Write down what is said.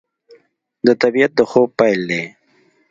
د طبیعت د خوب پیل دی